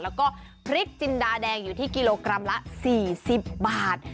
แล้วก็พริกจินดาแดงอยู่ที่กิโลกรัมละ๔๐บาท